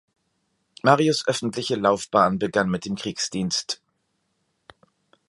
Marius’ öffentliche Laufbahn begann mit dem Kriegsdienst.